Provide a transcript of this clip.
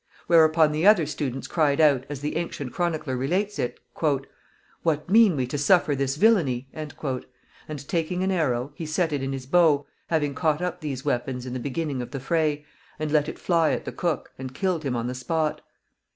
Whereupon the other students cried out, as the ancient chronicler relates it, "What meane we to suffer this villanie," and, taking an arrow, he set it in his bow, having caught up these weapons in the beginning of the fray, and let it fly at the cook, and killed him on the spot.